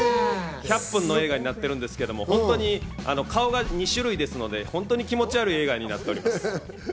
１００分の映画になってますが、顔が２種類ですので本当に気持ち悪い映画になっております。